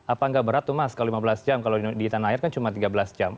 apa nggak berat tuh mas kalau lima belas jam kalau di tanah air kan cuma tiga belas jam